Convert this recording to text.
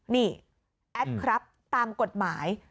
นี่แอดครับตามกฎหมาย